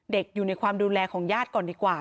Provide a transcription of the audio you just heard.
อยู่ในความดูแลของญาติก่อนดีกว่า